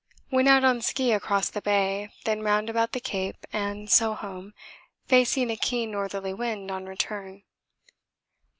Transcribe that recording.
Went out on ski across the bay, then round about the cape, and so home, facing a keen northerly wind on return.